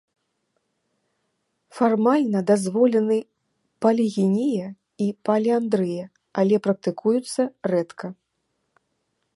Фармальна дазволены палігінія і паліандрыя, але практыкуюцца рэдка.